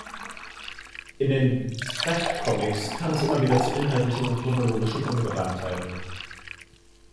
In den Duck-Comics kam es immer wieder zu inhaltlichen und chronologischen Ungereimtheiten.